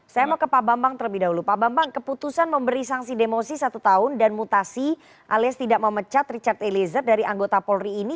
saya mau ke pak bambang terlebih dahulu pak bambang keputusan memberi sanksi demosi satu tahun dan mutasi alias tidak memecat richard eliezer dari anggota polri ini